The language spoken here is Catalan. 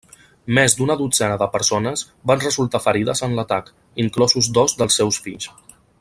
Més d'una dotzena de persones van resultar ferides en l'atac, inclosos dos dels seus fills.